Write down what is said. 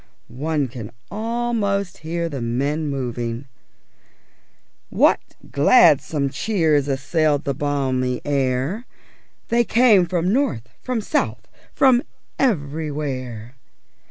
_ One can almost hear the men moving. _What gladsome cheers assailed the balmy air _ _They came from north, from south, from everywhere!